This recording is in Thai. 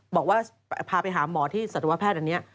บอกว่าพาไปหาหมอที่สัตวแพทย์อันนี้